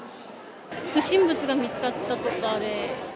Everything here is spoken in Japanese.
不審物が見つかったとかで。